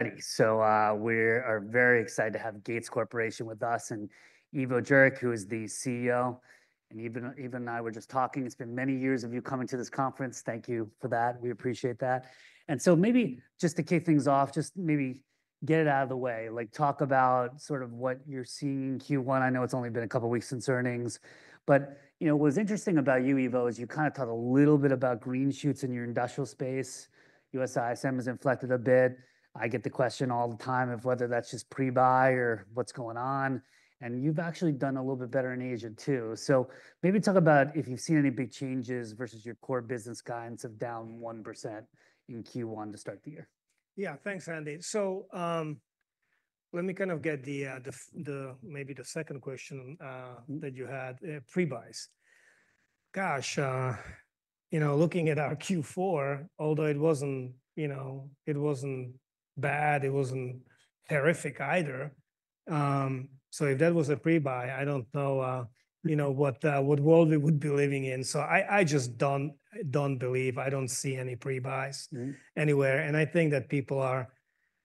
We are very excited to have Gates Corporation with us and Ivo Jurek, who is the CEO. And even Ivo and I were just talking, it's been many years of you coming to this conference. Thank you for that. We appreciate that. And so maybe just to kick things off, just maybe get it out of the way, like talk about sort of what you're seeing in Q1. I know it's only been a couple of weeks since earnings, but, you know, what's interesting about you, Ivo, is you kind of talked a little bit about green shoots in your industrial space. US ISM has inflected a bit. I get the question all the time of whether that's just pre-buy or what's going on. And you've actually done a little bit better in Asia too. So maybe talk about if you've seen any big changes versus your core business guidance of down 1% in Q1 to start the year? Yeah, thanks, Andy. So, let me kind of get the maybe the second question that you had, pre-buys. Gosh, you know, looking at our Q4, although it wasn't, you know, it wasn't bad, it wasn't terrific either. So if that was a pre-buy, I don't know, you know, what world we would be living in. So I just don't believe, I don't see any pre-buys anywhere. And I think that people are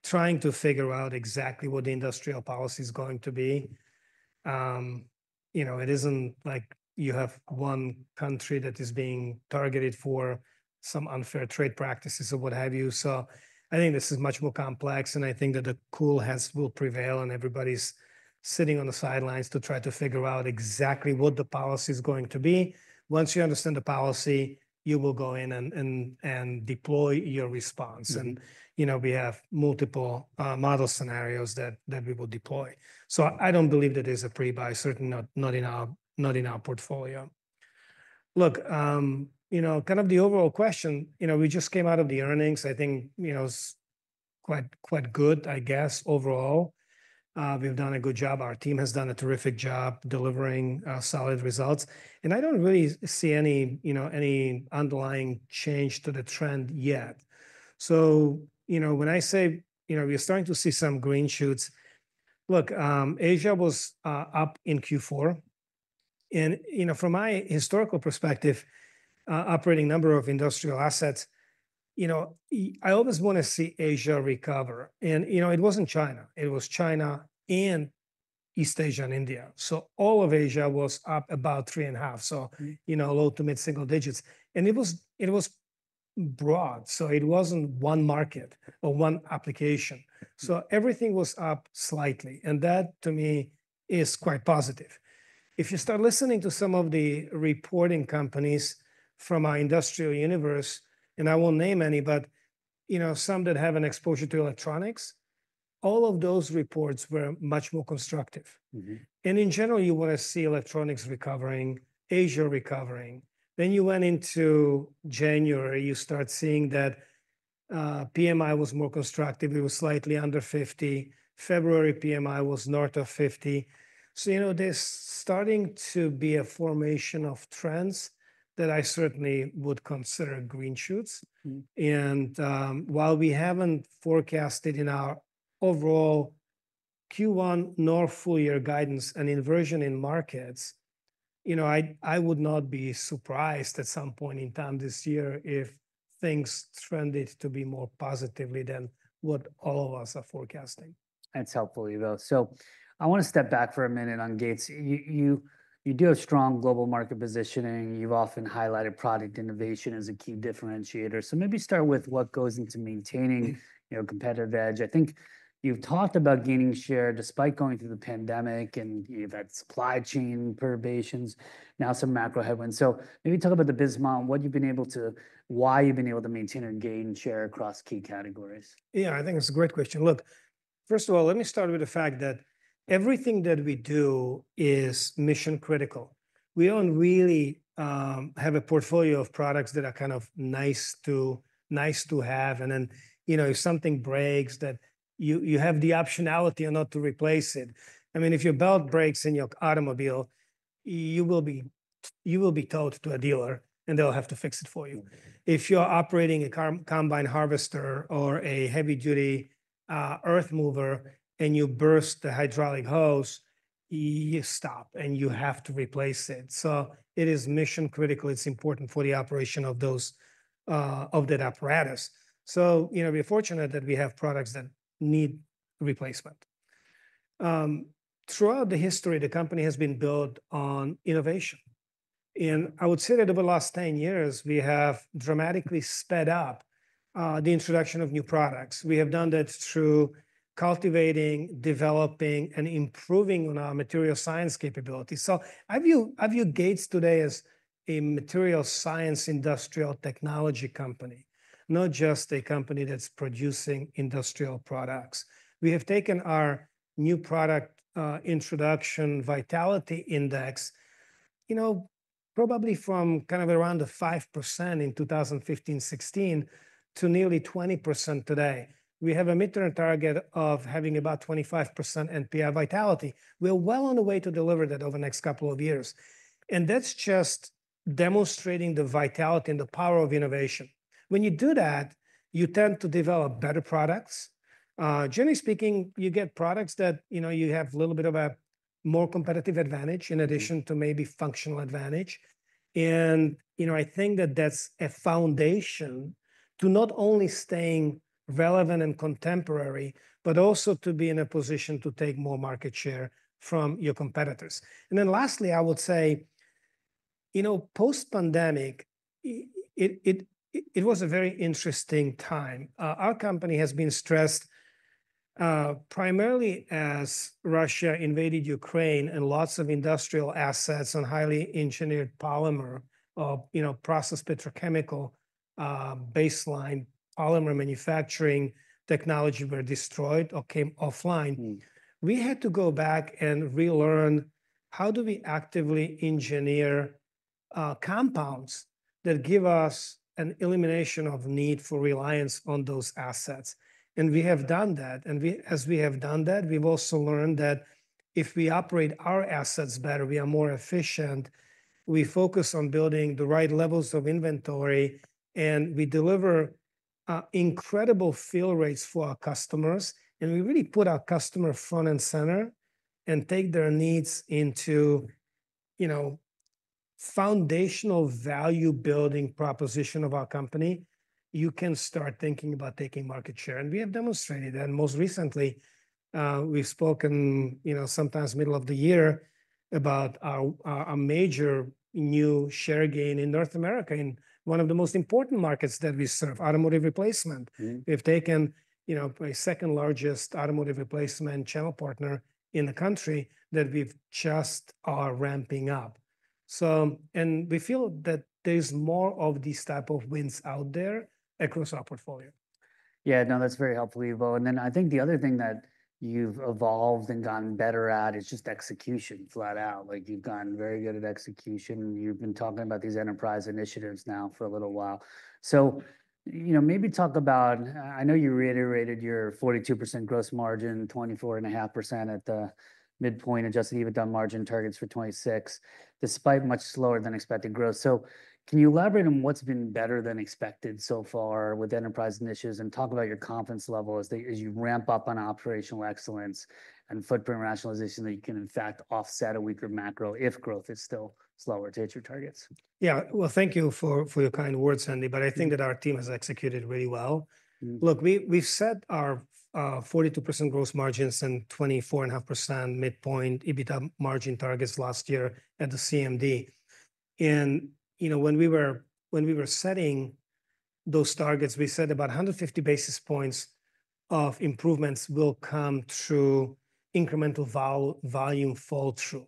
trying to figure out exactly what the industrial policy is going to be. You know, it isn't like you have one country that is being targeted for some unfair trade practices or what have you. So I think this is much more complex. And I think that the cool heads will prevail. And everybody's sitting on the sidelines to try to figure out exactly what the policy is going to be. Once you understand the policy, you will go in and deploy your response, and you know, we have multiple model scenarios that we will deploy, so I don't believe that is a pre-buy, certainly not in our portfolio. Look, you know, kind of the overall question, you know, we just came out of the earnings. I think, you know, it's quite good, I guess, overall. We've done a good job. Our team has done a terrific job delivering solid results, and I don't really see any underlying change to the trend yet, so you know, when I say, you know, we're starting to see some green shoots. Look, Asia was up in Q4, and you know, from my historical perspective operating number of industrial assets, you know, I always want to see Asia recover. You know, it wasn't China. It was China and East Asia and India. All of Asia was up about three and a half. You know, low to mid single digits. It was broad. It wasn't one market or one application. Everything was up slightly. That to me is quite positive. If you start listening to some of the reporting companies from our industrial universe, and I won't name any, but, you know, some that have an exposure to electronics, all of those reports were much more constructive. In general, you want to see electronics recovering, Asia recovering. You went into January, you start seeing that. PMI was more constructive. It was slightly under 50. February PMI was north of 50. You know, there's starting to be a formation of trends that I certainly would consider green shoots. While we haven't forecasted in our overall Q1 nor full year guidance and inversion in markets, you know, I would not be surprised at some point in time this year if things trended to be more positively than what all of us are forecasting. That's helpful, Ivo. So I want to step back for a minute on Gates. You do have strong global market positioning. You've often highlighted product innovation as a key differentiator. So maybe start with what goes into maintaining, you know, competitive edge. I think you've talked about gaining share despite going through the pandemic and you've had supply chain perturbations, now some macro headwinds. So maybe talk about the business model and what you've been able to, why you've been able to maintain or gain share across key categories. Yeah, I think it's a great question. Look, first of all, let me start with the fact that everything that we do is mission critical. We don't really have a portfolio of products that are kind of nice to have. And then, you know, if something breaks, that you have the optionality or not to replace it. I mean, if your belt breaks in your automobile, you will be towed to a dealer and they'll have to fix it for you. If you're operating a combine harvester or a heavy-duty earth mover and you burst the hydraulic hose, you stop and you have to replace it. So it is mission critical. It's important for the operation of that apparatus. So, you know, we're fortunate that we have products that need replacement throughout the history, the company has been built on innovation. I would say that over the last 10 years, we have dramatically sped up the introduction of new products. We have done that through cultivating, developing, and improving on our material science capability. I view Gates today as a material science industrial technology company, not just a company that's producing industrial products. We have taken our new product introduction vitality index, you know, probably from kind of around the 5% in 2015, 16 to nearly 20% today. We have a midterm target of having about 25% NPI vitality. We're well on the way to deliver that over the next couple of years. That's just demonstrating the vitality and the power of innovation. When you do that, you tend to develop better products. Generally speaking, you get products that, you know, you have a little bit of a more competitive advantage in addition to maybe functional advantage. And, you know, I think that that's a foundation to not only staying relevant and contemporary, but also to be in a position to take more market share from your competitors. And then lastly, I would say, you know, post-pandemic, it was a very interesting time. Our company has been stressed, primarily as Russia invaded Ukraine and lots of industrial assets and highly engineered polymer or, you know, process petrochemical, baseline polymer manufacturing technology were destroyed or came offline. We had to go back and relearn how do we actively engineer compounds that give us an elimination of need for reliance on those assets. And we have done that. And we, as we have done that, we've also learned that if we operate our assets better, we are more efficient. We focus on building the right levels of inventory, and we deliver incredible fill rates for our customers. And we really put our customer front and center and take their needs into you know foundational value building proposition of our company. You can start thinking about taking market share. And we have demonstrated that most recently, we've spoken you know sometime middle of the year about our major new share gain in North America in one of the most important markets that we serve, Automotive Replacement. We've taken you know a second largest Automotive Replacement channel partner in the country that we've just are ramping up. So, and we feel that there's more of these type of wins out there across our portfolio. Yeah, no, that's very helpful, Ivo. And then I think the other thing that you've evolved and gotten better at is just execution flat out. Like you've gotten very good at execution. You've been talking about these enterprise initiatives now for a little while. So, you know, maybe talk about, I know you reiterated your 42% gross margin, 24.5% at the midpoint, adjusted EBITDA margin targets for 2026, despite much slower than expected growth. So can you elaborate on what's been better than expected so far with enterprise initiatives and talk about your confidence level as you ramp up on operational excellence and footprint rationalization that you can in fact offset a weaker macro if growth is still slower to hit your targets? Yeah. Well, thank you for your kind words, Andy, but I think that our team has executed really well. Look, we've set our 42% gross margins and 24.5% midpoint EBITDA margin targets last year at the CMD. And, you know, when we were setting those targets, we said about 150 basis points of improvements will come through incremental volume fall through.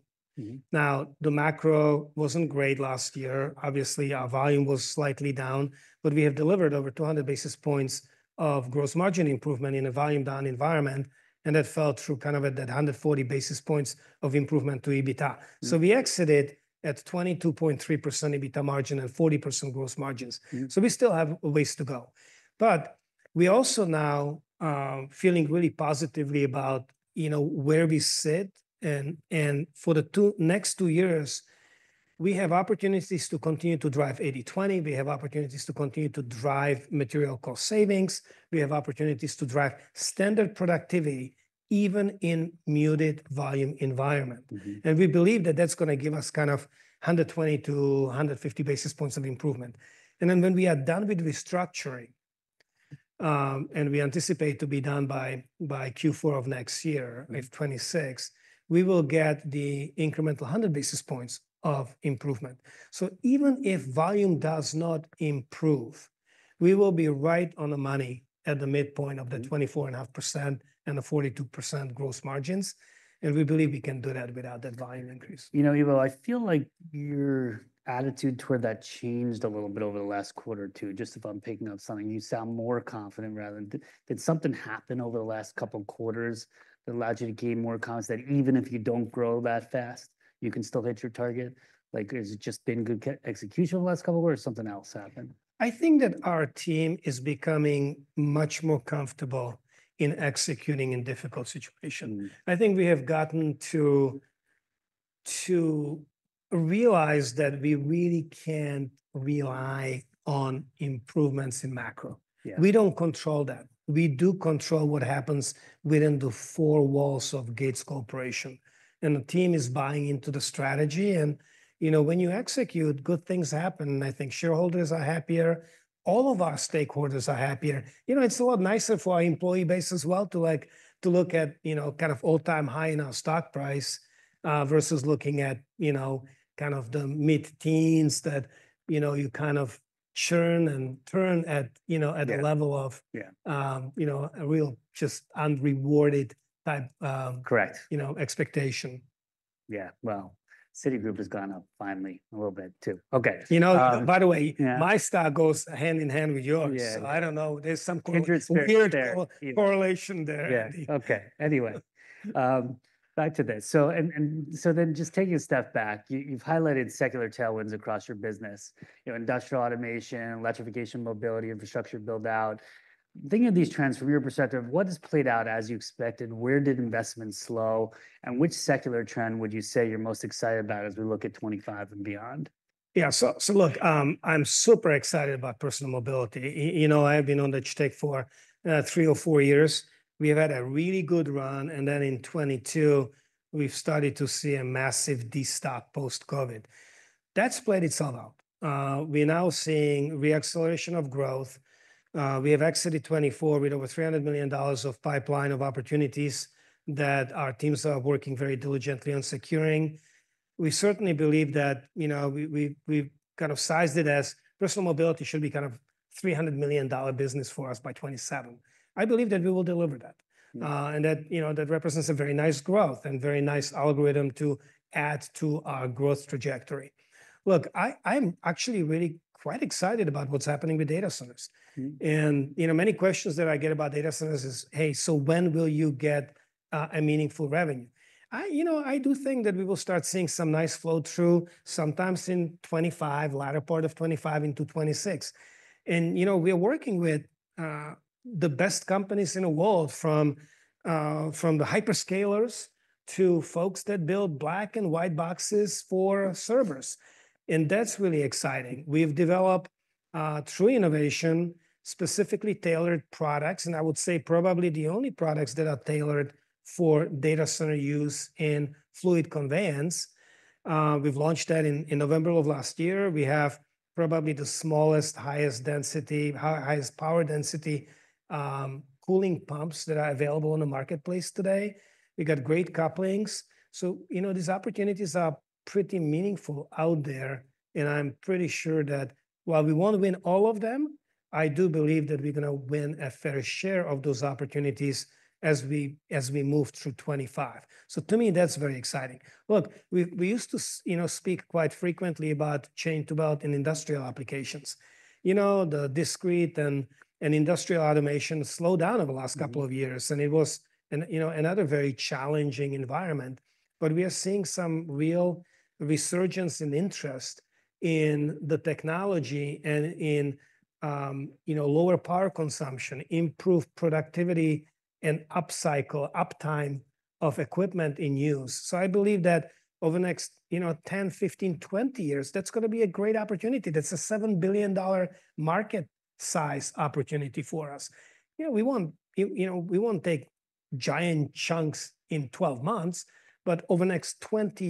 Now, the macro wasn't great last year. Obviously, our volume was slightly down, but we have delivered over 200 basis points of gross margin improvement in a volume down environment. And that fell through kind of at that 140 basis points of improvement to EBITDA. So we exited at 22.3% EBITDA margin and 40% gross margins. So we still have a ways to go. But we also now feeling really positively about, you know, where we sit. And for the next two years, we have opportunities to continue to drive 80/20. We have opportunities to continue to drive material cost savings. We have opportunities to drive standard productivity even in muted volume environment. And we believe that that's going to give us kind of 120 to 150 basis points of improvement. And then when we are done with restructuring, and we anticipate to be done by Q4 of next year, 2026, we will get the incremental 100 basis points of improvement. So even if volume does not improve, we will be right on the money at the midpoint of the 24.5% and the 42% gross margins. And we believe we can do that without that volume increase. You know, Ivo, I feel like your attitude toward that changed a little bit over the last quarter or two. Just if I'm picking up something, you sound more confident rather than did something happen over the last couple of quarters that allowed you to gain more confidence that even if you don't grow that fast, you can still hit your target? Like, has it just been good execution over the last couple of weeks or something else happened? I think that our team is becoming much more comfortable in executing in difficult situations. I think we have gotten to realize that we really can't rely on improvements in macro. We don't control that. We do control what happens within the four walls of Gates Corporation. And the team is buying into the strategy. And, you know, when you execute, good things happen. And I think shareholders are happier. All of our stakeholders are happier. You know, it's a lot nicer for our employee base as well to like, to look at, you know, kind of all time high in our stock price, versus looking at, you know, kind of the mid teens that, you know, you kind of churn and turn at, you know, at the level of, you know, a real just unrewarded type, you know, expectation. Yeah. Wow. Citigroup has gone up finally a little bit too. Okay. You know, by the way, my stock goes hand in hand with yours. So I don't know. There's some correlation there. Anyway, back to this. So, taking a step back, you've highlighted secular tailwinds across your business, you know, industrial automation, electrification, mobility, infrastructure build out. Thinking of these trends from your perspective, what has played out as you expected? Where did investment slow? And which secular trend would you say you're most excited about as we look at 2025 and beyond? Yeah. So, look, I'm super excited about personal mobility. You know, I've been on the tech for three or four years. We've had a really good run. And then in 2022, we've started to see a massive destocking post-COVID. That's played itself out. We're now seeing reacceleration of growth. We have exited 2024 with over $300 million of pipeline of opportunities that our teams are working very diligently on securing. We certainly believe that, you know, we kind of sized it as personal mobility should be kind of $300 million business for us by 2027. I believe that we will deliver that. And that, you know, that represents a very nice growth and very nice algorithm to add to our growth trajectory. Look, I'm actually really quite excited about what's happening with data centers. You know, many questions that I get about data centers is, hey, so when will you get a meaningful revenue? You know, I do think that we will start seeing some nice flow through sometime in 2025, latter part of 2025 into 2026. You know, we are working with the best companies in the world from the hyperscalers to folks that build black and white boxes for servers. And that's really exciting. We've developed true innovation, specifically tailored products. And I would say probably the only products that are tailored for data center use in fluid conveyance. We've launched that in November of last year. We have probably the smallest, highest density, highest power density, cooling pumps that are available on the marketplace today. We got great couplings. So, you know, these opportunities are pretty meaningful out there. And I'm pretty sure that while we won't win all of them, I do believe that we're going to win a fair share of those opportunities as we move through 2025. So to me, that's very exciting. Look, we used to, you know, speak quite frequently about chain to belt in industrial applications. You know, the discrete and industrial automation slowed down over the last couple of years. And it was, you know, another very challenging environment. But we are seeing some real resurgence in interest in the technology and in, you know, lower power consumption, improved productivity and uptime of equipment in use. So I believe that over the next, you know, 10, 15, 20 years, that's going to be a great opportunity. That's a $7 billion market size opportunity for us. You know, we won't, you know, we won't take giant chunks in 12 months, but over the next 20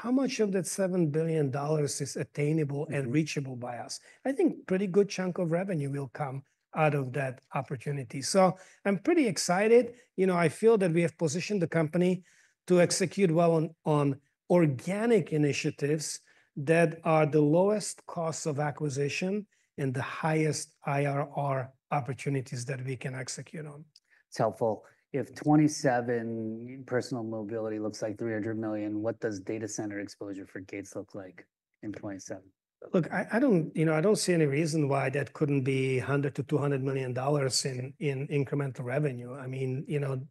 years, how much of that $7 billion is attainable and reachable by us? I think a pretty good chunk of revenue will come out of that opportunity. So I'm pretty excited. You know, I feel that we have positioned the company to execute well on organic initiatives that are the lowest cost of acquisition and the highest IRR opportunities that we can execute on. It's helpful. If 2027 personal mobility looks like $300 million, what does data center exposure for Gates look like in 2027? Look, I don't, you know, I don't see any reason why that couldn't be $100 to 200 million in incremental revenue. I mean, you know,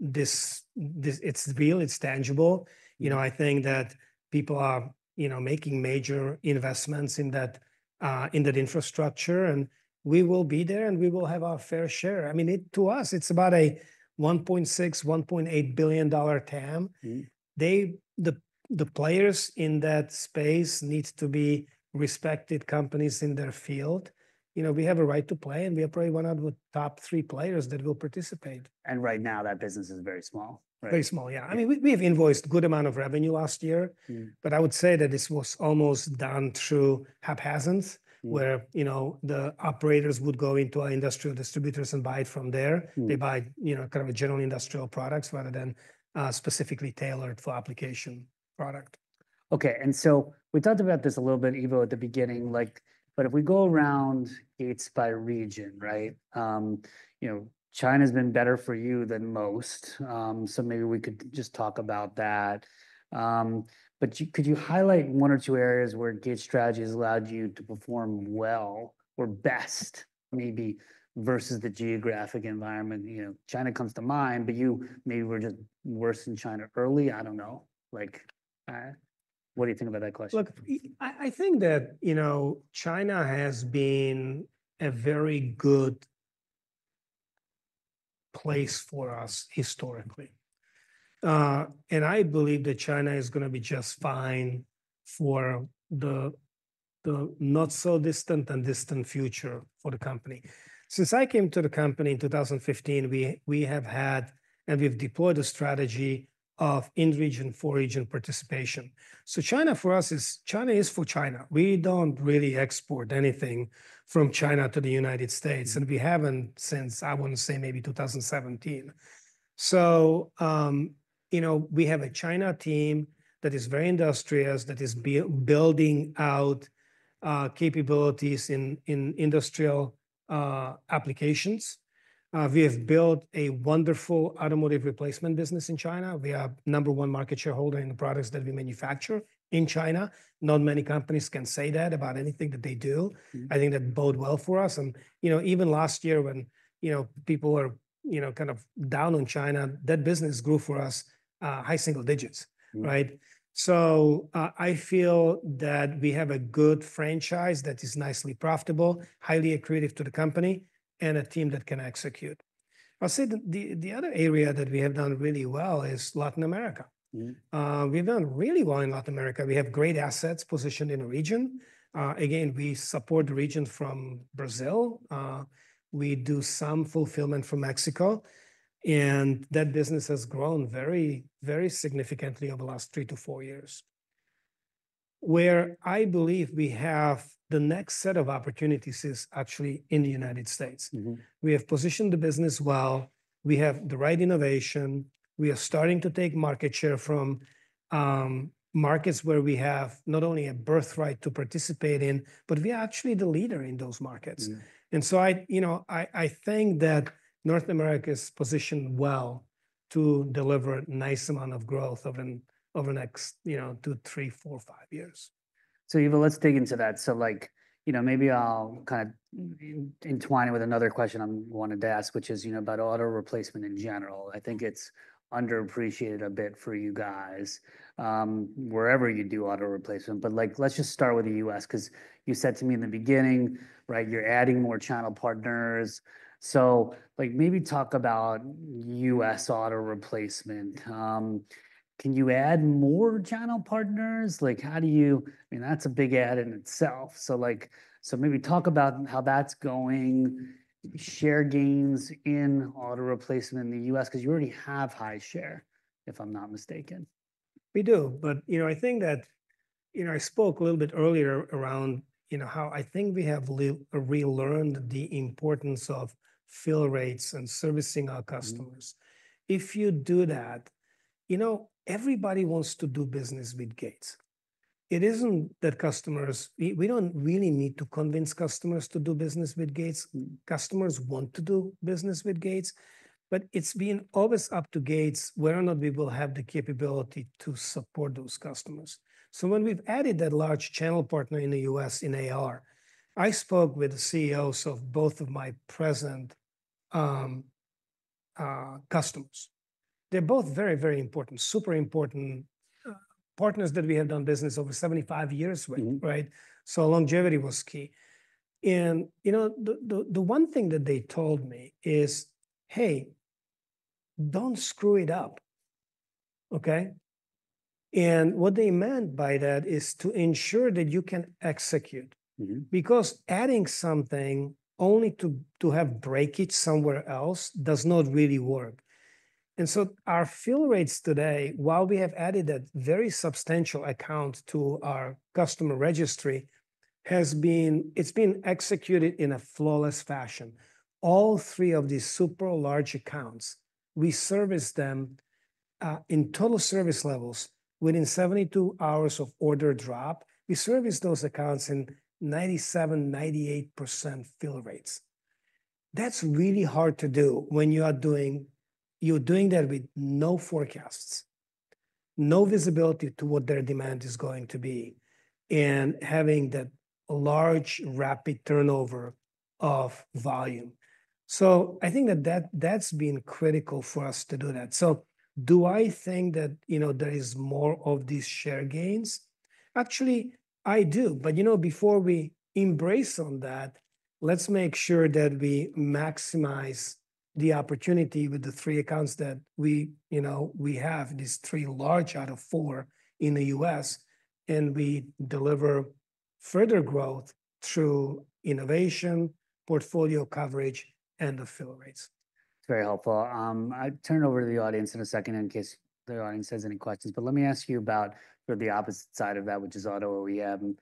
this, it's real, it's tangible. You know, I think that people are, you know, making major investments in that infrastructure and we will be there and we will have our fair share. I mean, to us, it's about a $1.6 to 1.8 billion TAM. The players in that space need to be respected companies in their field. You know, we have a right to play and we are probably one of the top three players that will participate. Right now that business is very small. Very small. Yeah. I mean, we've invoiced a good amount of revenue last year, but I would say that this was almost done through haphazard sales where, you know, the operators would go into our industrial distributors and buy it from there. They buy, you know, kind of a general industrial products rather than, specifically tailored for application product. Okay. And so we talked about this a little bit, Ivo, at the beginning, like, but if we go around Gates by region, right? You know, China has been better for you than most. So maybe we could just talk about that. But could you highlight one or two areas where Gates strategy has allowed you to perform well or best maybe versus the geographic environment? You know, China comes to mind, but you maybe were just worse in China early. I don't know. Like, what do you think about that question? Look, I think that, you know, China has been a very good place for us historically, and I believe that China is going to be just fine for the not so distant and distant future for the company. Since I came to the company in 2015, we have had and we've deployed a strategy of in region for region participation. So China for us is, China is for China. We don't really export anything from China to the United States, and we haven't since, I want to say maybe 2017, so, you know, we have a China team that is very industrious that is building out capabilities in industrial applications. We have built a wonderful Automotive Replacement business in China. We are number one market share holder in the products that we manufacture in China. Not many companies can say that about anything that they do. I think that bodes well for us, and you know, even last year when, you know, people are, you know, kind of down on China, that business grew for us, high single digits, right, so I feel that we have a good franchise that is nicely profitable, highly accretive to the company and a team that can execute. I'll say that the other area that we have done really well is Latin America. We've done really well in Latin America. We have great assets positioned in the region. Again, we support the region from Brazil. We do some fulfillment from Mexico, and that business has grown very, very significantly over the last three to four years. Where I believe we have the next set of opportunities is actually in the United States. We have positioned the business well. We have the right innovation. We are starting to take market share from markets where we have not only a birthright to participate in, but we are actually the leader in those markets. And so I, you know, think that North America is positioned well to deliver a nice amount of growth over the next, you know, two, three, four, five years. So Ivo, let's dig into that. So like, you know, maybe I'll kind of intertwine it with another question I wanted to ask, which is, you know, about auto replacement in general. I think it's underappreciated a bit for you guys, wherever you do auto replacement. But like, let's just start with the US because you said to me in the beginning, right, you're adding more channel partners. So like, maybe talk about US auto replacement. Can you add more channel partners? Like how do you, I mean, that's a big add in itself. So like, so maybe talk about how that's going, share gains in auto replacement in the US, because you already have high share, if I'm not mistaken. We do. But you know, I think that, you know, I spoke a little bit earlier around, you know, how I think we have really relearned the importance of fill rates and servicing our customers. If you do that, you know, everybody wants to do business with Gates. It isn't that we don't really need to convince customers to do business with Gates. Customers want to do business with Gates, but it's been always up to Gates whether or not we will have the capability to support those customers. So when we've added that large channel partner in the US in AR, I spoke with the CEOs of both of our present customers. They're both very, very important, super important partners that we have done business over 75 years with, right? So longevity was key. And you know, the one thing that they told me is, hey, don't screw it up. Okay. And what they meant by that is to ensure that you can execute because adding something only to have breakage somewhere else does not really work. And so our fill rates today, while we have added that very substantial account to our customer registry, has been executed in a flawless fashion. All three of these super large accounts, we service them in total service levels within 72 hours of order drop. We service those accounts in 97% to 98% fill rates. That's really hard to do when you are doing that with no forecasts, no visibility to what their demand is going to be and having that large rapid turnover of volume. So I think that's been critical for us to do that. So do I think that, you know, there is more of these share gains? Actually, I do. But you know, before we embrace on that, let's make sure that we maximize the opportunity with the three accounts that we, you know, we have these three large out of four in the US and we deliver further growth through innovation, portfolio coverage, and the fill rates. It's very helpful. I turn over to the audience in a second in case the audience has any questions, but let me ask you about sort of the opposite side of that, which is auto OEM.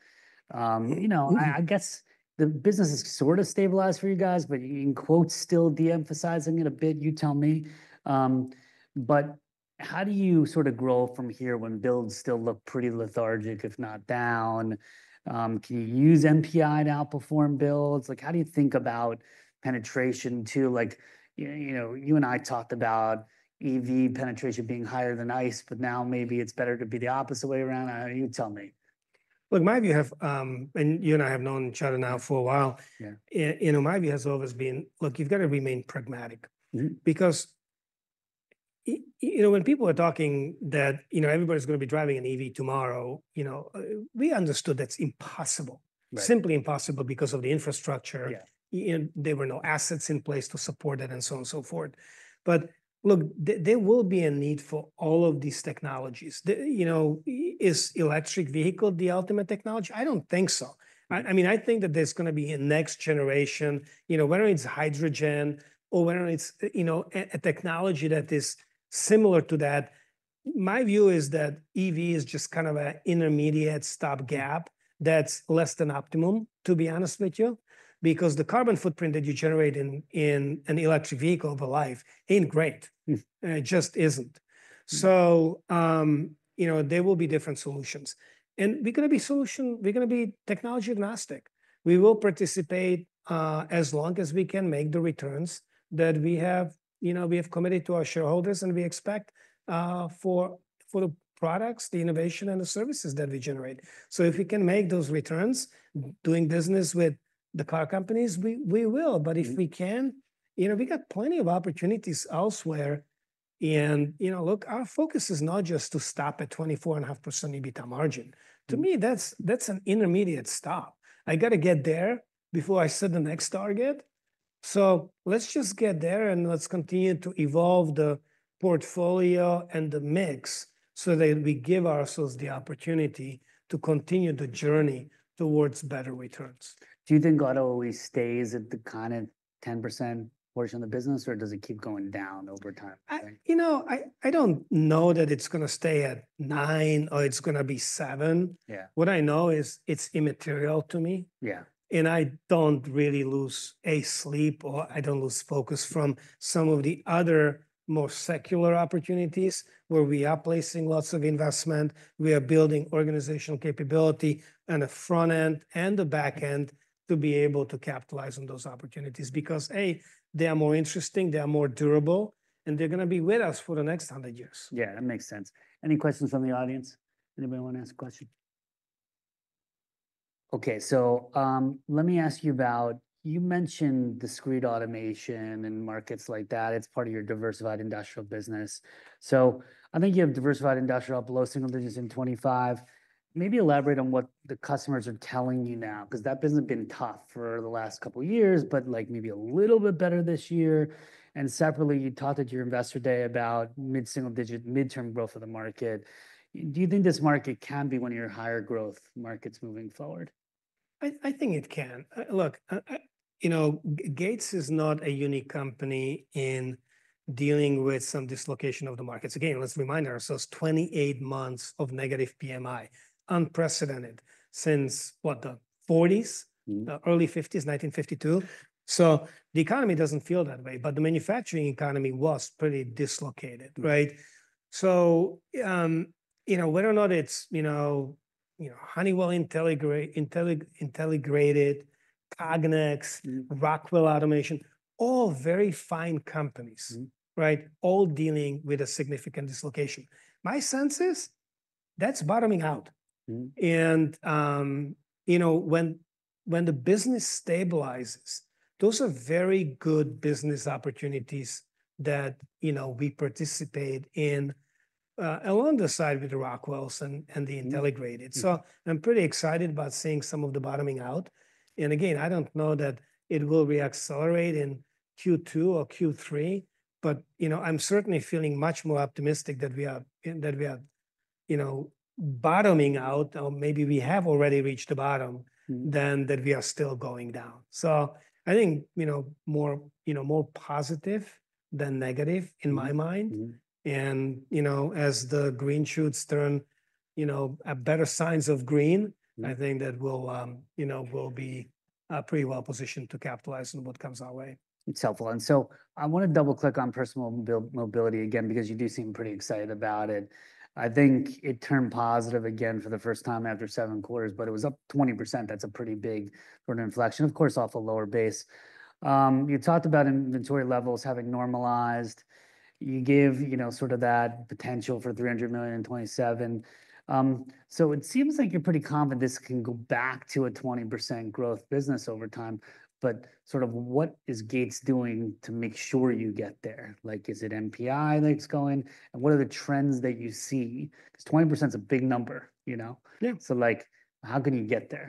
You know, I guess the business is sort of stabilized for you guys, but in quotes, still de-emphasizing it a bit, you tell me. But how do you sort of grow from here when builds still look pretty lethargic, if not down? Can you use PMI to outperform builds? Like, how do you think about penetration too? Like, you know, you and I talked about EV penetration being higher than ICE, but now maybe it's better to be the opposite way around. You tell me. Look, my view have, and you and I have known each other now for a while. Yeah. You know, my view has always been, look, you've got to remain pragmatic because, you know, when people are talking that, you know, everybody's going to be driving an EV tomorrow, you know, we understood that's impossible, simply impossible because of the infrastructure. You know, there were no assets in place to support it and so on and so forth. But look, there will be a need for all of these technologies. You know, is electric vehicle the ultimate technology? I don't think so. I mean, I think that there's going to be a next generation, you know, whether it's hydrogen or whether it's, you know, a technology that is similar to that. My view is that EV is just kind of an intermediate stopgap that's less than optimum, to be honest with you, because the carbon footprint that you generate in an electric vehicle over its life ain't great. It just isn't. So, you know, there will be different solutions and we're going to be technology agnostic. We will participate, as long as we can make the returns that we have, you know, we have committed to our shareholders and we expect for the products, the innovation and the services that we generate. So if we can make those returns doing business with the car companies, we will, but if we can't, you know, we got plenty of opportunities elsewhere. You know, look, our focus is not just to stop at 24.5% EBITDA margin. To me, that's an intermediate stop. I got to get there before I set the next target, so let's just get there and let's continue to evolve the portfolio and the mix so that we give ourselves the opportunity to continue the journey towards better returns. Do you think auto always stays at the kind of 10% portion of the business or does it keep going down over time? You know, I don't know that it's going to stay at nine or it's going to be seven. Yeah. What I know is it's immaterial to me. Yeah, and I don't really lose sleep or I don't lose focus from some of the other more secular opportunities where we are placing lots of investment. We are building organizational capability on the front end and the back end to be able to capitalize on those opportunities because, hey, they are more interesting, they are more durable, and they're going to be with us for the next hundred years. Yeah, that makes sense. Any questions from the audience? Anybody want to ask a question? Okay. So, let me ask you about, you mentioned discrete automation and markets like that. It's part of your diversified industrial business. So I think you have diversified industrial up below single digits in 25. Maybe elaborate on what the customers are telling you now, because that business has been tough for the last couple of years, but like maybe a little bit better this year. And separately, you talked at your investor day about mid-single-digit, mid-term growth of the market. Do you think this market can be one of your higher growth markets moving forward? I think it can. Look, you know, Gates is not a unique company in dealing with some dislocation of the markets. Again, let's remind ourselves, 28 months of negative PMI, unprecedented since what, the forties, early fifties, 1952. So the economy doesn't feel that way, but the manufacturing economy was pretty dislocated, right? So, you know, whether or not it's Honeywell, Intelligrated, Cognex, Rockwell Automation, all very fine companies, right? All dealing with a significant dislocation. My sense is that's bottoming out. You know, when the business stabilizes, those are very good business opportunities that, you know, we participate in, along the side with the Rockwells and the Intelligrated. So I'm pretty excited about seeing some of the bottoming out. And again, I don't know that it will reaccelerate in Q2 or Q3, but, you know, I'm certainly feeling much more optimistic that we are bottoming out, or maybe we have already reached the bottom than that we are still going down. So I think, you know, more positive than negative in my mind. And, you know, as the Green Shoots turn, you know, better signs of green, I think that we'll, you know, be pretty well positioned to capitalize on what comes our way. It's helpful. And so I want to double click on personal mobility again, because you do seem pretty excited about it. I think it turned positive again for the first time after seven quarters, but it was up 20%. That's a pretty big sort of inflection, of course, off a lower base. You talked about inventory levels having normalized. You gave, you know, sort of that potential for $300 million in 2027. So it seems like you're pretty confident this can go back to a 20% growth business over time, but sort of what is Gates doing to make sure you get there? Like, is it NPI that's going? And what are the trends that you see? Because 20% is a big number, you know? Yeah. So like, how can you get there?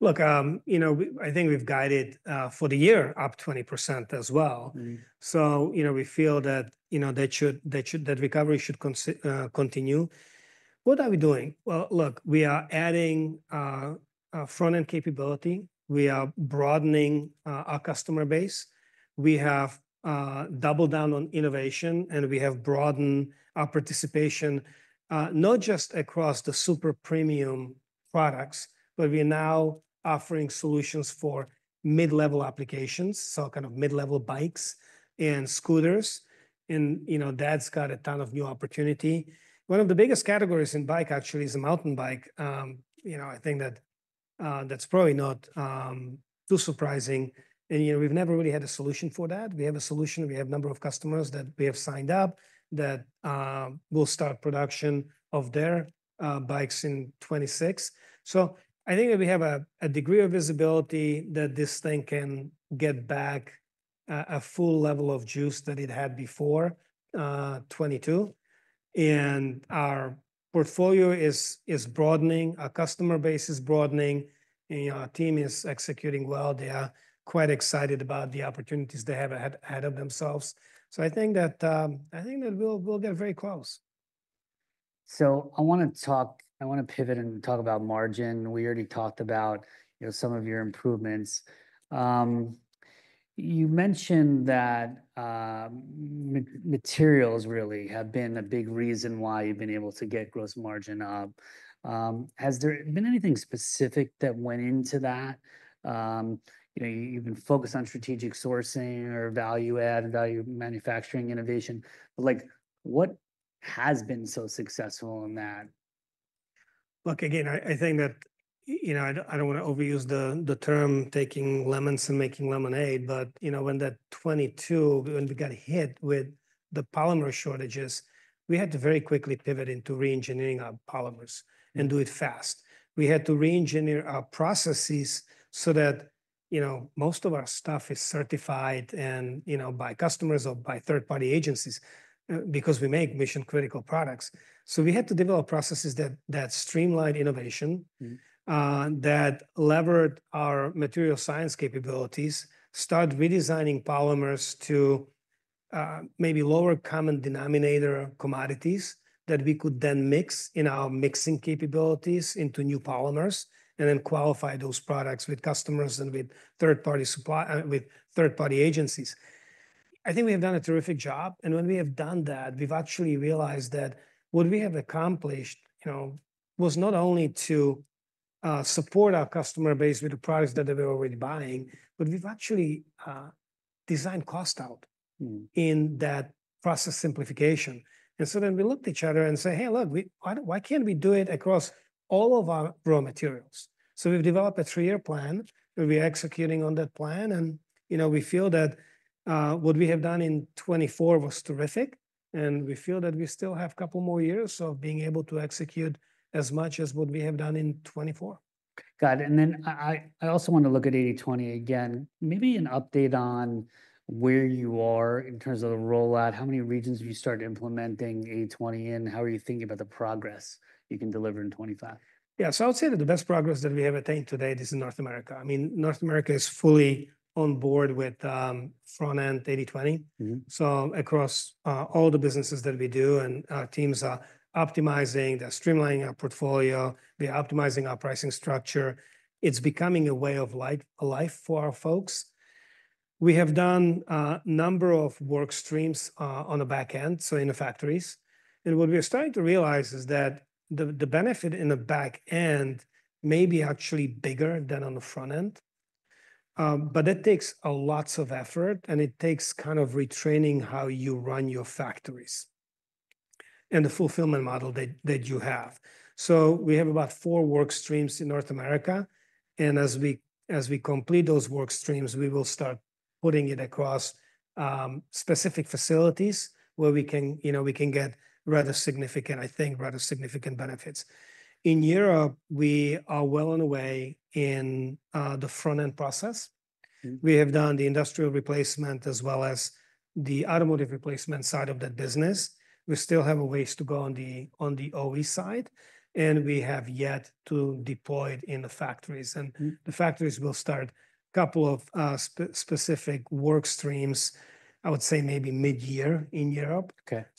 Look, you know, I think we've guided for the year up 20% as well. So, you know, we feel that, you know, that should, that recovery should continue. What are we doing? Well, look, we are adding front end capability. We are broadening our customer base. We have doubled down on innovation and we have broadened our participation, not just across the super premium products, but we are now offering solutions for mid-level applications. So kind of mid-level bikes and scooters, and you know, that's got a ton of new opportunity. One of the biggest categories in bike actually is a mountain bike. You know, I think that, that's probably not too surprising, and you know, we've never really had a solution for that. We have a solution. We have a number of customers that we have signed up that will start production of their bikes in 2026. I think that we have a degree of visibility that this thing can get back a full level of juice that it had before 2022. Our portfolio is broadening. Our customer base is broadening. You know, our team is executing well. They are quite excited about the opportunities they have ahead of themselves. I think that we'll get very close. I want to talk. I want to pivot and talk about margin. We already talked about, you know, some of your improvements. You mentioned that materials really have been a big reason why you've been able to get gross margin up. Has there been anything specific that went into that? You know, you've been focused on strategic sourcing or value add, value manufacturing innovation, but like, what has been so successful in that? Look, again, I think that, you know, I don't want to overuse the term taking lemons and making lemonade, but, you know, when that 2022, when we got hit with the polymer shortages, we had to very quickly pivot into re-engineering our polymers and do it fast. We had to re-engineer our processes so that, you know, most of our stuff is certified and, you know, by customers or by third-party agencies because we make mission-critical products. So we had to develop processes that streamlined innovation, that leveraged our material science capabilities, started redesigning polymers to, maybe lower common denominator commodities that we could then mix in our mixing capabilities into new polymers and then qualify those products with customers and with third-party supply, with third-party agencies. I think we have done a terrific job. And when we have done that, we've actually realized that what we have accomplished, you know, was not only to support our customer base with the products that they were already buying, but we've actually designed cost out in that process simplification. And so then we looked at each other and said, hey, look, why can't we do it across all of our raw materials? So we've developed a three-year plan. We're executing on that plan. And, you know, we feel that what we have done in 2024 was terrific. And we feel that we still have a couple more years of being able to execute as much as what we have done in 2024. Got it. And then I also want to look at 80/20 again, maybe an update on where you are in terms of the rollout. How many regions have you started implementing 80/20 in? How are you thinking about the progress you can deliver in 2025? Yeah, so I would say that the best progress that we have attained today, this is North America. I mean, North America is fully on board with front end 80/20. So across all the businesses that we do and our teams are optimizing, they're streamlining our portfolio, we're optimizing our pricing structure. It's becoming a way of life, a life for our folks. We have done a number of work streams on the back end, so in the factories. And what we are starting to realize is that the benefit in the back end may be actually bigger than on the front end, but that takes a lot of effort and it takes kind of retraining how you run your factories and the fulfillment model that you have. So we have about four work streams in North America. As we complete those work streams, we will start putting it across specific facilities where we can, you know, we can get rather significant, I think, rather significant benefits. In Europe, we are well on the way in the front end process. We have done the Industrial Replacement as well as the Automotive Replacement side of that business. We still have a ways to go on the OE side, and we have yet to deploy it in the factories. The factories will start a couple of specific work streams, I would say maybe mid-year in Europe.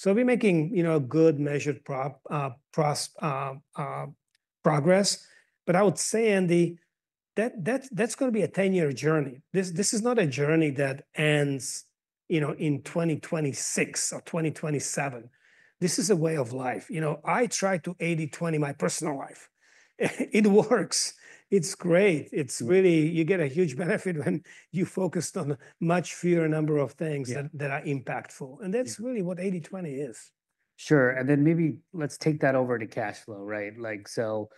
We're making, you know, a good measured progress. I would say, Andy, that that's going to be a 10-year journey. This is not a journey that ends, you know, in 2026 or 2027. This is a way of life. You know, I tried to 80/20 my personal life. It works. It's great. It's really, you get a huge benefit when you focused on a much fewer number of things that, that are impactful, and that's really what 80/20 is. Sure. And then maybe let's take that over to cash flow, right? Like, so,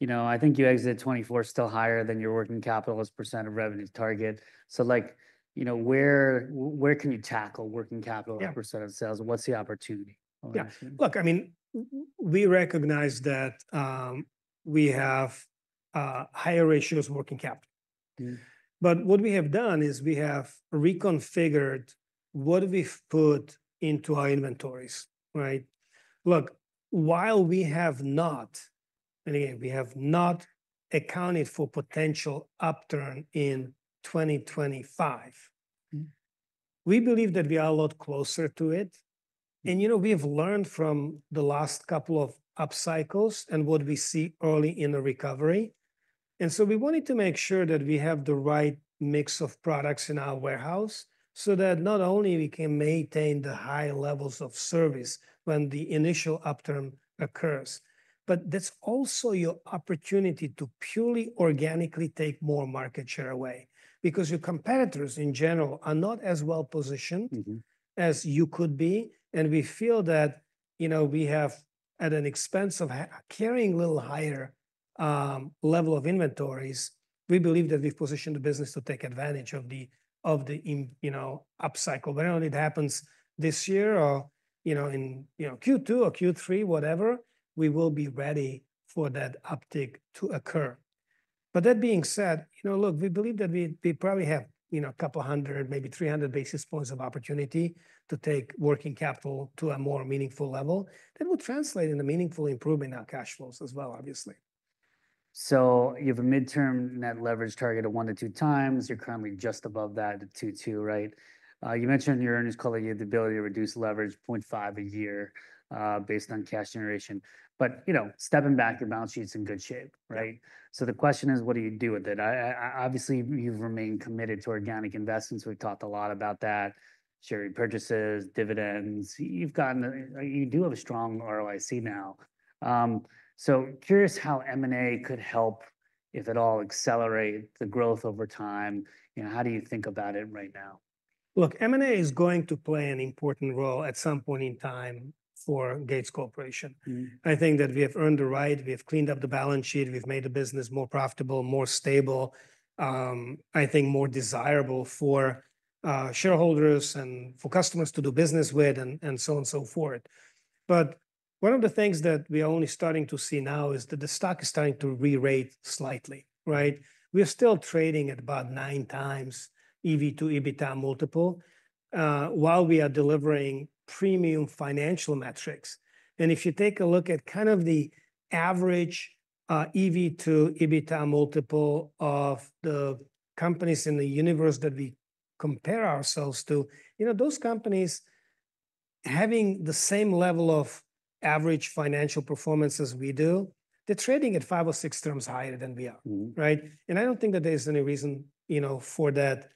you know, I think you exited 2024 still higher than your working capital % of revenue target. So like, you know, where can you tackle working capital % of sales? What's the opportunity? Yeah. Look, I mean, we recognize that we have higher ratios working capital, but what we have done is we have reconfigured what we've put into our inventories, right? Look, while we have not, and again, we have not accounted for potential upturn in 2025, we believe that we are a lot closer to it, and you know, we have learned from the last couple of upcycles and what we see early in the recovery, and so we wanted to make sure that we have the right mix of products in our warehouse so that not only we can maintain the high levels of service when the initial upturn occurs, but that's also your opportunity to purely organically take more market share away because your competitors in general are not as well positioned as you could be. We feel that, you know, we have at an expense of carrying a little higher level of inventories. We believe that we've positioned the business to take advantage of the, of the, you know, upcycle. Whether or not it happens this year or, you know, in, you know, Q2 or Q3, whatever, we will be ready for that uptick to occur. But that being said, you know, look, we believe that we probably have, you know, a couple hundred, maybe 300 basis points of opportunity to take working capital to a more meaningful level that will translate into meaningful improvement in our cash flows as well, obviously. So you have a mid-term net leverage target of one to two times. You're currently just above that at 2022, right? You mentioned your earnings call, you have the ability to reduce leverage 0.5 a year, based on cash generation. But, you know, stepping back, your balance sheet's in good shape, right? So the question is, what do you do with it? I obviously you've remained committed to organic investments. We've talked a lot about that. Share repurchases, dividends. You've gotten, you do have a strong ROIC now. So curious how M&A could help, if at all, accelerate the growth over time. You know, how do you think about it right now? Look, M&A is going to play an important role at some point in time for Gates Corporation. I think that we have earned the right. We have cleaned up the balance sheet. We've made the business more profitable, more stable, I think more desirable for shareholders and for customers to do business with and so on and so forth. But one of the things that we are only starting to see now is that the stock is starting to re-rate slightly, right? We are still trading at about nine times EV to EBITDA multiple, while we are delivering premium financial metrics. If you take a look at kind of the average, EV to EBITDA multiple of the companies in the universe that we compare ourselves to, you know, those companies having the same level of average financial performance as we do, they're trading at five or six terms higher than we are, right? I don't think that there's any reason, you know, for that,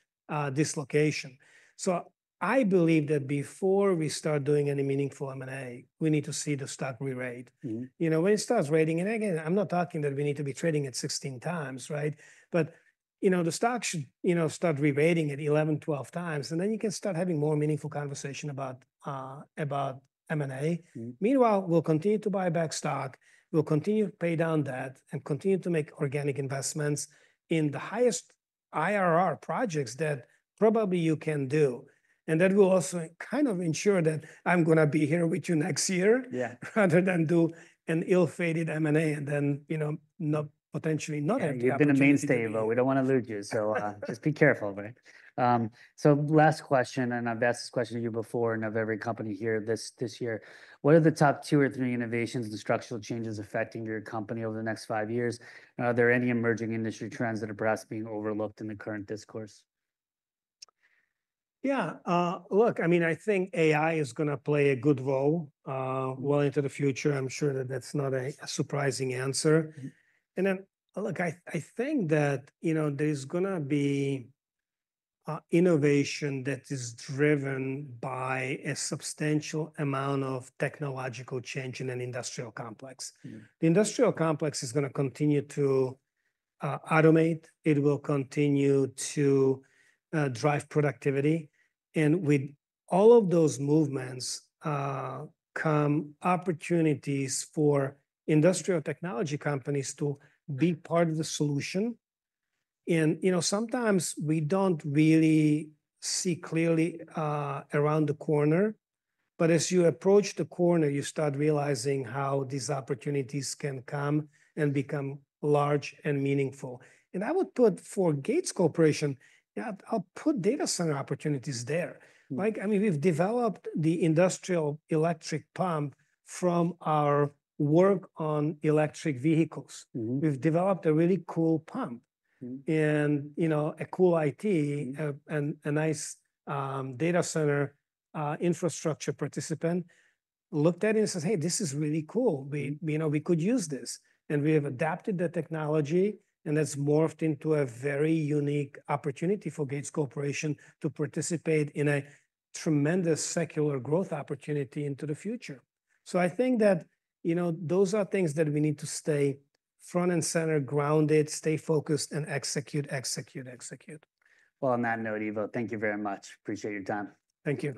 dislocation. I believe that before we start doing any meaningful M&A, we need to see the stock re-rate. You know, when it starts rating, and again, I'm not talking that we need to be trading at 16 times, right? The stock should, you know, start re-rating at 11, 12 times, and then you can start having more meaningful conversation about M&A. Meanwhile, we'll continue to buy back stock. We'll continue to pay down debt and continue to make organic investments in the highest IRR projects that probably you can do. And that will also kind of ensure that I'm going to be here with you next year, yeah, rather than do an ill-fated M&A and then, you know, not potentially not. You've been a mainstay, but we don't want to lose you. So, just be careful, right? So last question, and I've asked this question to you before and of every company here this year. What are the top two or three innovations and structural changes affecting your company over the next five years? And are there any emerging industry trends that are perhaps being overlooked in the current discourse? Yeah. Look, I mean, I think AI is going to play a good role well into the future. I'm sure that that's not a surprising answer. Then, look, I think that, you know, there's going to be innovation that is driven by a substantial amount of technological change in an industrial complex. The industrial complex is going to continue to automate. It will continue to drive productivity. With all of those movements come opportunities for industrial technology companies to be part of the solution. You know, sometimes we don't really see clearly around the corner, but as you approach the corner, you start realizing how these opportunities can come and become large and meaningful. I would put for Gates Corporation, I'll put data center opportunities there. Like, I mean, we've developed the industrial electric pump from our work on electric vehicles. We've developed a really cool pump and, you know, a cool IT and a nice data center infrastructure participant looked at it and says, hey, this is really cool. We, you know, we could use this and we have adapted the technology and that's morphed into a very unique opportunity for Gates Corporation to participate in a tremendous secular growth opportunity into the future. So I think that, you know, those are things that we need to stay front and center, grounded, stay focused and execute, execute, execute. On that note, Ivo, thank you very much. Appreciate your time. Thank you.